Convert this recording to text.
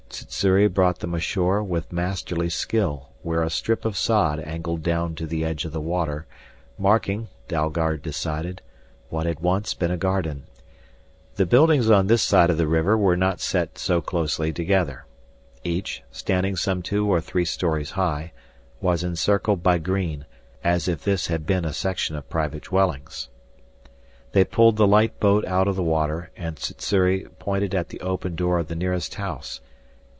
Sssuri brought them ashore with masterly skill where a strip of sod angled down to the edge of the water, marking, Dalgard decided, what had once been a garden. The buildings on this side of the river were not set so closely together. Each, standing some two or three stories high, was encircled by green, as if this had been a section of private dwellings. They pulled the light boat out of the water and Sssuri pointed at the open door of the nearest house.